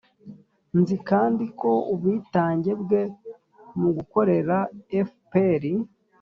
nzi kandi ko ubwitange bwe mu gukorera fpr